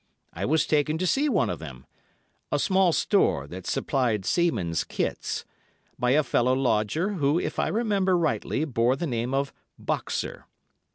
I was taken to see one of them—a small store that supplied seamen's kits—by a fellow lodger, who, if I remember rightly, bore the name of Boxer.